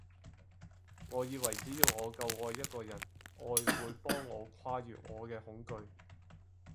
我以為只要我夠愛一個人，愛會幫我跨越我嘅恐懼